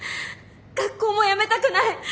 学校もやめたくない。